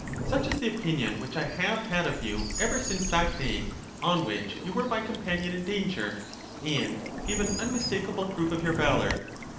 Such is the opinion which I have had of you ever since that day on which you were my companion in danger, and gave an un mistakable proof of your valor.